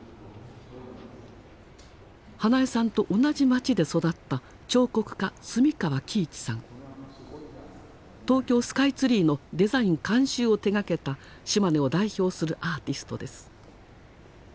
英恵さんと同じ町で育った東京スカイツリーのデザイン監修を手がけた島根を代表するアーティストです。